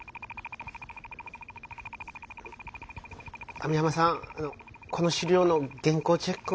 網浜さんこの資料の原稿チェックを。